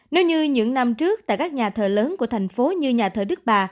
nếu như những năm trước tại các nhà thờ lớn của thành phố như nhà thờ đức bà